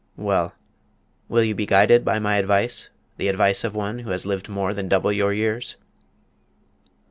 "Well will you be guided by my advice the advice of one who has lived more than double your years?"